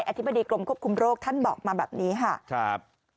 นาธิบดีกลุ่มควบคุมโรคท่านบอกมาแบบนี้ค่ะ